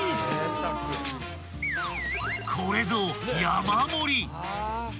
［これぞ山盛り］